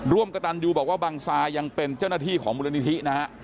ร่วมกระตันยูบอกว่าบังซายังเป็นเจ้าหน้าที่ของมูลนิธินะฮะ